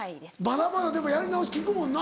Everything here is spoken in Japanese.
まだまだでもやり直しきくもんな。